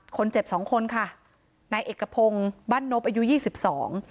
คนเจ็บสองคนค่ะนายเอกพงศ์บ้านนบอายุยี่สิบสอง